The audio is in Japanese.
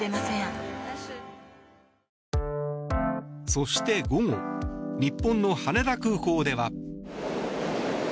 そして、午後日本の羽田空港では。